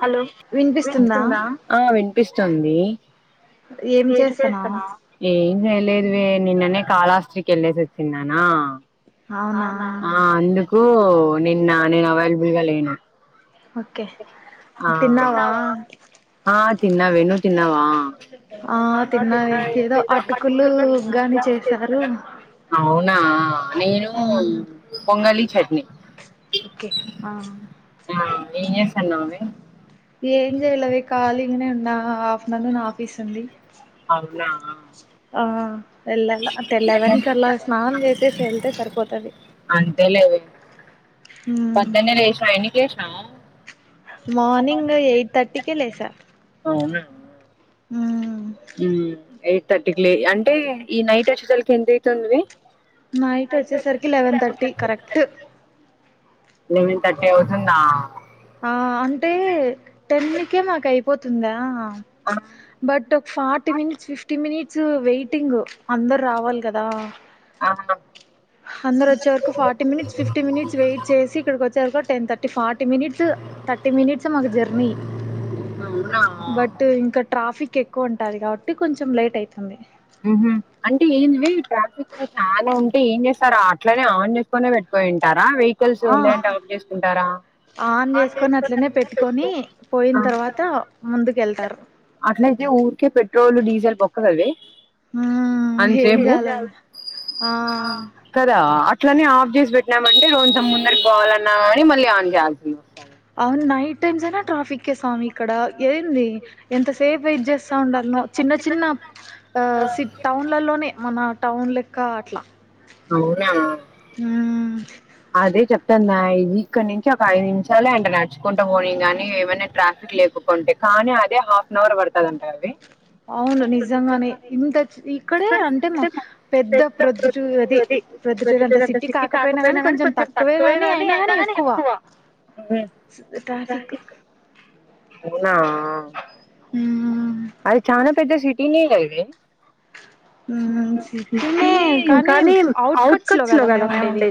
Hello వినిపిస్తుంద ఆ వినిపిస్తుంది ధే ఎట్టి చేస్తన్నావ్ ఏం ఏం లేదు నిన్ననే కాళహస్తి కి వెళ్లేసి చిన్నానా అవునా ఆ అందుకు నిన్న నేను అవైలబుల్ గా లేను ఆ తిన్నావా ఆ తిన్నా వెేను తిన్నావా ఆ తిన్నా అవునా నేను పొంగలి చట్నీ ఓకే ఆ ఏం చేస్తానవే ఏం చేయలేదే ఖాళీ గానే ఉన్న ఆఫ్టేర్నూన్ ఆఫీస్ ఉంది అవునా ఆ వెళ్ళాల టెన్ లెవెన్ క అలా స్నానం చేసేసి వెళ్తే సరిపోతది. హూ మార్నింగ్ ఎయిట్ థర్టీకే లేసా. హ ఉమ్ ఏట్ థర్టీ క లే అంటే ఈ నైట్ వచ్చేతలకి ఎంతైతుంది నైట్ వచ్చే సరికి eleven thirty correct eleven thirty అవుతుందా ఆ అంటే టెన్కే మాకు అయిపోతుందా but forty minutes fifty minute it's waiting అందరు రావాలి కదా ఆ అందరు వచ్చే వరకు forty minutes fifty minutes wait చేసి ఇక్కడికి వచ్చేవరకు టెన్ థర్ forty minutes thirty minutes journey but ఇంకా ట్రాఫిక్ ఎక్ ఎక్కువ ఉంటాది కాబట్టి కొంచెం లేట్ అయితుంది ఉహు అంటే ఏంది మే ట్రాఫిక్ చాలా ఉంటే ఏం చేస్తారు. అట్లనే ఆన్ చేసుకునే పెట్టుకోనే ఉం ఆ ఆన్ చేసుకొని అట్లనే పెట్టుకొని పోయిన తర్వాత ముందుకు వెళ్తారు అట్ల అయితే ఊరికే పెట్రోల్ డీజిల్ బొక్కద అ న్ చెేపు ఆట్ అట్లనే ఆఫ్ చేసి పెట్టినామంటే కొంచెం ముందరికి పాల్న కాని మళ్ళీ ఆన్ చేయాల్సి వస్తాంది అవును నైట్ టైమ్స్ అయినా ట్రాఫిక్ ఏ స్వామి ఇక్కడ ఏంది ఎంతసేపు వెయిట్ చేస్తా ఉండాలనో చిన్న చిన్న సిట్ టౌన్లలోనే మన టౌన్ లెక్క అట్లా అవునా అదే చెప్తాన్నా ఇది ఇక్కడ నుంచి ఒక ఐదు నిమిషాలే ఉండడాన్ తెచ్చుకుంట పోని గాని ఏమైనా ట్రాఫిక్ లేకకుంటే కానీ అదే హాఫ్ అన్ అవర్ పడుతదంట అండి అవును నిజంగానే ఇంత ఇక్కడే అంటే మా పెద్ద ప్రొద్దటు అది ప్రొద్దుటూర్ అంత సిటీ కాకపోయినా కానీ కొంచెం తక్కువే కానీ అయినా కానీ ఎక్కువ ట్రాఫిక్ ఆ అది చానా పెద్ద సిటీనే గా ఇది ఉమ్ సిటీనే కానీ అఔట్కట్స్ లో కదా మేము ఉండేది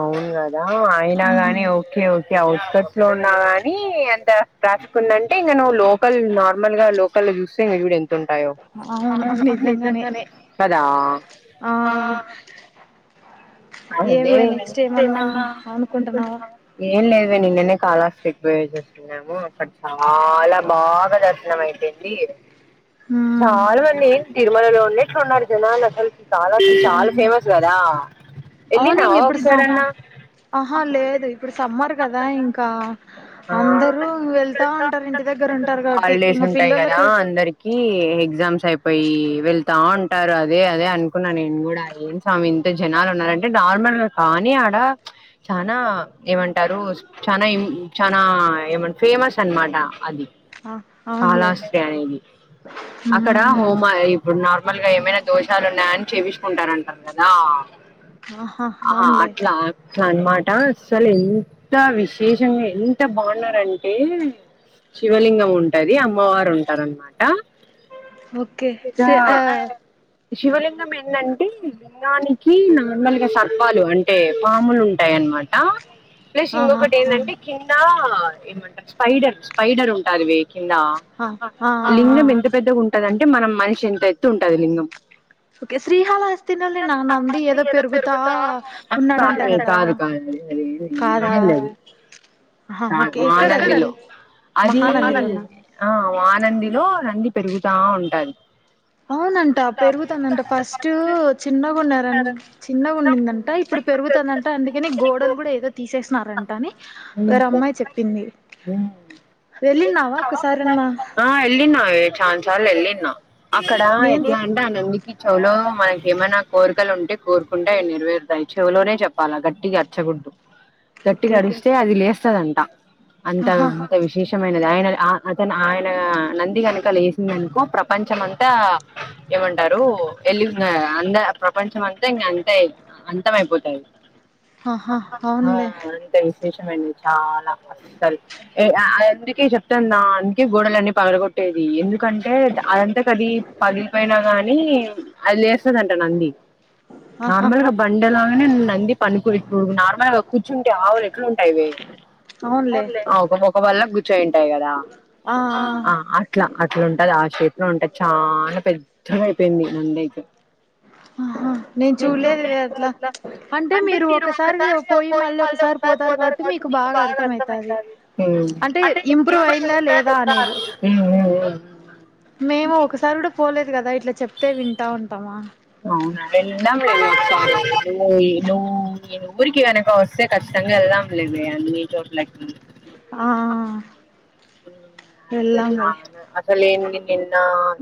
అవునుగాద్ ఆ అయినా గాని ఓకే ఓ [unintelligible] లో ఉన్నా కానీ ఎంత దాచుకుందంటే నన్ను లోకల్ నార్మల్ గా లో వాళ్లు చూస్తే ఎవిడెన్ ఉంటాయి ఎ కాదా ఆ [unintelligible] ఏం లేదు వే నే నిన్నే కాళహస్తికి పోయేసొచ్చినాము చాలా బాగా దర్శనం అయిపోయింది చాలామంది ఏమతరు మనలోనే ఇంకా ఉన్నారు జనాలు అసలుకి చాలా చాలా ఫేమస్ కదా అవును ఇంక ఎప్పుడుసవ్ ఆహా లేదు ఇప్పుడు సమ్మర్ కదా ఇంకా అందరూ వెళ్తా ఉంటారు ఇంటి దగ్గర ఉంటారు కాబట్టి ఇం పిల్లలకి [unintelligible] అయిపోయి వెళ్తా ఉంటారు అదే అదే అనుకున్నా నేను కూడా ఏ స్వామి ఇంత జనాలు ఉన్నార అంటే నార్మల్ గా కానీ ఆడ చనా ఏమంటారు చనా చనా ఎం ఫేమస్ అనమాట అది కాళహస్తి అనేది అక్కడ హోమా ఇప్పుడు నార్మల్ గా ఏమైనా దోషాలు ఉన్నాయని చేయిసుకుంటారంటా కదా ఆ అట్లా అనమాట అసలు ఎంత విశేషంగా ఎంత బాగున్నారంటే శివలింగం ఉంటది అమ్మవారు ఉంటార అనమాట ఓకే సే ఆ శివలింగం ఏందంటే లింగానికి నా నార్మల్ గా సర్పాలు అంటే పాములు ఉంటాయిన్నమాట ప్లస్ ఇంకొకటి ఏందంటే కిందా ఆ ఆ ఏమంటా స్పైడర్ స్పైడర్ ఉంటారు వే కిందా లింగం ఎంత పెద్దగా ఉంటంద అంటే మనం మనిషి ఎంత ఎత్తు ఉంటది లింగం ఓకే శ్రీ హళహస్తి లోనా నంది ఏదో పెరుగు తా ఉన్నాడంట కదా కాదా ఆ ఓకే ఎక్కడది మహానదిలోన మహానందిలో నంది పెరుగుతా ఉంటది అవునంట పెరుగుతుందంట ఫస్ట్ చిన్నఉంద చిన్నగా ఉండిందంట ఇప్పుడు పెరుగుతదంట అందుకని గోడలు కూడా ఏదో తీ తీసేసినారంటా నే ఆ ఎళ్లిన యే చానసా సార్లు ఎళ్లిన అక్కడా ఎట్లా అంటే ఆ నందికి చెవులో మనకి ఏమైనా కోరికలు ఉంటే కోరుకుంటే నెరవేరుతాయి చెవులోనే చెప్పాలా గట్టిగా అర్చకూడదు ఓకే తెస్తదంట అంట అంత విశేషమైనది ఆయన ఆ అతను ఆయన నంది కనుక లేసిందనుకో ప్రపంచం అంతా ఏమంటారు వెళ అంద ప్రపంచం అంతా ఇంకా అంతే ఇంక అంతం అయిపోతది ఆ అంతే వి చాలా అస్సలు ఏ ఆ అందుకే చెప్తున్నా అందుకే గోడలన్నీ పగలగొ ట్టేది ఎందుకంటే అదంతా కది పగిలిపోయినా గానీ అది లేస్తదంట నంది నార్మలగా బండలాగనే నంది పనికు నార్ మనకు కూర్చుంటే ఆవులే ఎట్లుంటాయివి ఒక ఒక వల్ల గుర్చోయింటాయి కదా ఆ అట్లా అట్లాంటది ఆ షేప్ ఉంటాయి చానా పెద్దగా అయిపోయింది నంది ఆహా నేను చూడలేదువే అట్లా అంటే మీరు ఒకసారి పోయి మళ్ళీ ఒకసారి పోతారు కాబట్టి మీకు బాగా అర్థమైతాది అంటే ఇంప్రూవ్ అయిందా లేదా అనేది ఓ మేము ఒకసారి కూడా పోలేదు గదా ఇ ఇట్లా చెప్తే వింటా ఉంటామా అవునా వెళ్దాం లేవ నువ్వు న ఊరికి వెనక వస్తే ఖచ్చితంగా వెళ్దాం లేవే అ నీ చోట్లకి ఆ అే అసలు లే నిన్న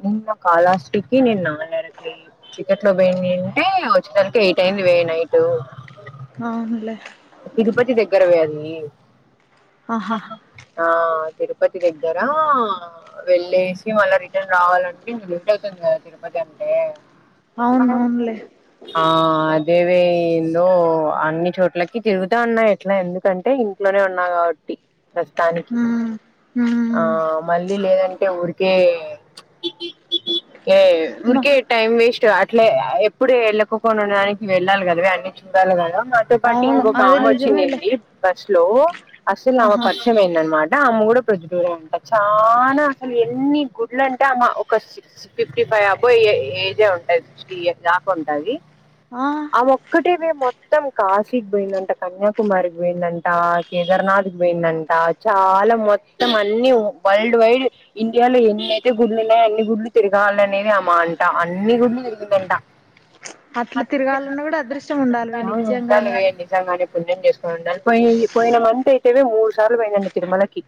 నిన్న కాాలాస్కి నిన్నన్నరకి చికెట్ లో పోయి అంటే వచ్చితనికి ఎయిట్ అయింది వేయి నైట్ అవునులే తిరుపతి దగ్గర వే అది ఆ తిరుపతి దగ్గర వెళ్ళేసి మళ్ళా రిటర్న్ రావాలంటే లేట్ అవుతుంది కదా తిరుపతి అంటే ఆ అ దేవే లో అన్ని చోట్ల తిరుగుతా ఉన్నా ఎట్లా ఎందుకంటే ఇంట్లోనే ఉన్నా కాబట్టి ప్రస్తుతానికి ఆ మళ్ళీ లేదంటే ఊరికి కే ఏ ఊర్కే టైమ్ వేస్ట్ అట్లే ఎప్పుడే వెళ్ళక్కక్కొనడానికి వెళ్ళాలి కదా అన్ని చూడాలి కదా వాటి పట్ ఇంకొక అమే వచ్చిందండి లో అసలు అమే పరిచయం అయింది అన్నమా అమ్మ కూడా ప్రొజదుటూరే ఉంటారు చానా అసలు ఎన్ని గుడ్లు అంటే అమ్మ ఒక సిక్స్ ఫిఫ్టీ ఫైవ్ అబోవ్ ఏజే ఉంటది సిక్స్టీ ఇయర్ దాకా ఉంటది ఆ ఒొక్కటిేవ మొత్త త్తం కా సి కి పోయిందంట కన్యాకుమారికి పోయిందంట కేదర్నాథ్కిి పోయిందంట చాలా మొత్తం అన్ని వరల్డ్ వైడ్ ఇండియాలో ఎన్నిైతే గుళ్ళు ఉన్నాయో అన్ని గుళ్ళు తిరగాలనేది అమ్మా అంట అన్ని గుళ్ళు తిరిగిందంట అట్లా తిరగాలన్నా కూడా అదృష్ట్యం ఉండాలి వే నిజం వాళ్ళు పోయిరి నిజంగానే పుణ్యం చేసుకోనీ ఉండాలి పోయి పోయిన మంత్ అయితేవ మూడు సార్లు పోయినండి తిరుమలకి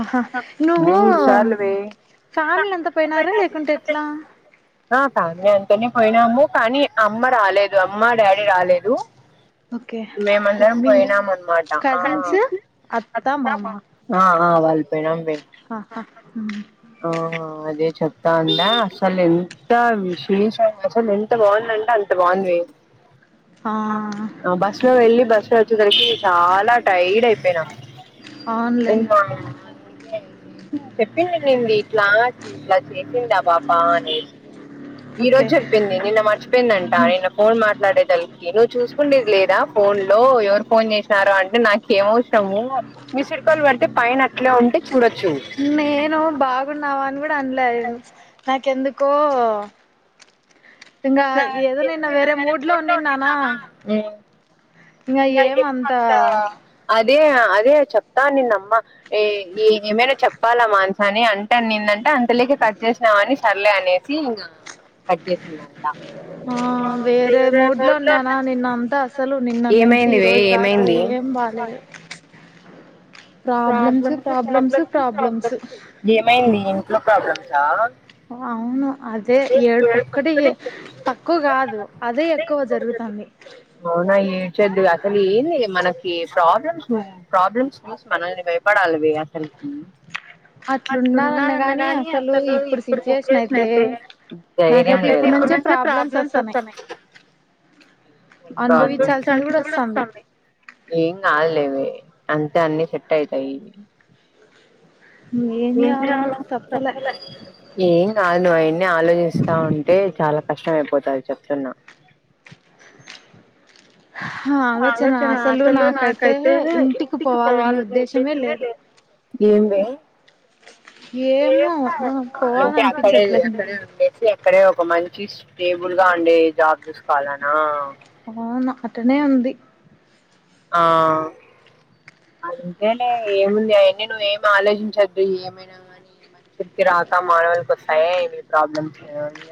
ఆహా నువ్వు ఫ్యామిలీ అంతా పోయినారా లేకుంటే ఎట్లా ఫ్యామిలీ అంతనే పోయినాము కానీ అమ్మ రాలేదు అమ్మ డాడీ రాలేదు మేమందరం పోయినాం అనమాట ఆ ఆ ఆ వాళ్ళు పెనం వే ఆ అదే చెప్తాందా అసలు ఎంత విశేషం అసలు ఎంత బాగుందంటే అంత బాగుంది వే బస్ లో వెళ్ళి బస్ లో వచ్చేసరికి చాలా టైర్డ్ అయిపినామ్ ఇంకా [unintelligible] చెప్పింది [unintelligible] ఇట్లా ఇట్లా చేసిందా పాాప అనేసి ఈ రోజు చెప్పింది నిన్న మర్చిపోయిందంట నిన్న ఫోన్ మాట్లాడేదలి ను్ చూసుకుండేది లేదా ఫోన్ లో ఎవరు ఫోన్ చేసినారో అంటే నాకేమ అవసరము మిస్డ్ కాల్ పడితే పైన అట్లే ఉంటే నేను బాగున్నావా అని కూడా అనలే నాకెందుకో ఉమ్ ఆ దే అదే చెప్తానిన్న అమ్మ ఏమైనా చెప్పాలా మనసా అని అంనిందంటే అంతలోక కట్ చేసినావ్ అని సర్లే అనేసి ఇంకా కట్ చేసిందాన టా వేరే మూడ్లో ఉన్నానా నిన్న అంతా అసలు నిన్న నుంచి ఈ రోజు దాకా ఏం బాాలేదు ఏమైంది ఇంట్లో ప్రాబ్లమ్స్ ఆ అవును అదే ఏడుపూ ఒక్కటి తక్కువ కాదు అదే ఎక్కువ జరుగుతాంది ఏ ప్రాబ్లమ్స్ ను ప్రాబ్లమ్స్ ఫేస్ మనల్ని [unintelligible] బయపడాలి వే అసలకి ధైర్యం లేద్ ఏం కాదు లే వే అంతే అన్ని చె ట్టయితా ఈ ఏం కాదు నువ అయన్న ఆలోచిస్తా ఉంటే చాలా కష్టం పోతారు చెప్తున్నా ఆలోచన అసలు నాకైతేనే ఇంటికి పోవాలనే ఉద్దేశ్యమే లేదు ఏం వే ఏమో నాక్ పోవాలనిపించట్లే క అక్కడే ఒక మంచి స్టేబుల్ గా ఉండే జాబ్ చూసుకోవాలనా ఆ అటనే ఉంది ఆ అంతేలే ఏముంది అయ నువవు ఏమి ఆలోచించద్దు ఏమైనా కాని మనుషులకి రాక మానవుళకి వస్తాయ ఏమి ప్రాబ్లమ్స్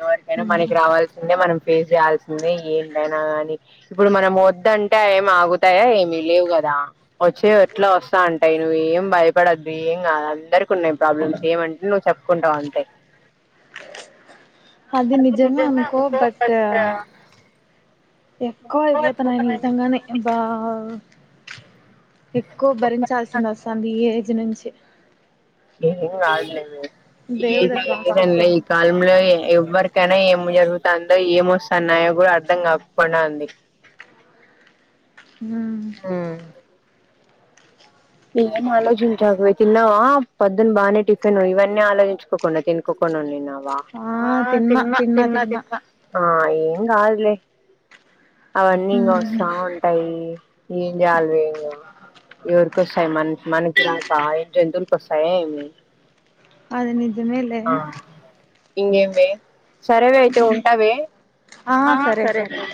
ఎవరికైనా మనకి రావాల్సిందే మనం ఫేస్ చేయాల్సిందే ఏంటైనా కాని ఇప్పుడు మనం వద్దంటే అం ఆగు వత్తాయా ఏమిీ లేవు కదా వచ్చే ఎట్లా వస్తా అంటాయి నువ్వు ఏం భయపడద్దు ఏం కాదు అందరికి ఉన్నాయి ప్రాబ్లమ్స్ ఏమంటే నువ్వు చెప్పుకుంటావు అంతే అది నిజమే అనుకో బట్ ఎక్కువ అయిపోతున్నాయ నిజంగానే బా ఓ ఎక్కువ భరించాల్సింది వస్తుంది ఈ ఏజ్ నుంచి చె ఏం కాదు లేవే ఈది ఏదనిలే ఈ కాలంలో ఎవరికైనా ఏం జరుగుతుందో ఏంవొస్తున్నాయో కూడా అర్థం కాకుండా ఉంది ఉమ్ ఏం ఆలోచించాకపో తిన్నావా పొద్దున్న బానే టిఫిన్ ఇవన్నీ ఆలోచించుకోకుండా తినుకోకుండా నిన్న తిన్న తిన్న తిన్న ఆ ఏం కాదులే అవన్నీ ఇంకా వస్తా ఉంటాయి ఏం చేయాలివేఇగా ఎవరి మన మనకికాక జంతువులుకి వస్తాయ ఏమి అది నిజమేలే ఇంగేమ్వే సరేవే అయితే ఉంటావే ఆ సరే స